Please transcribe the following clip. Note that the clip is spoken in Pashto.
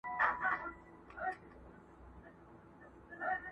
سکون مي ناکراره کي خیالونه تښتوي؛